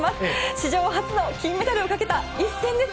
史上初の金メダルをかけた一戦です。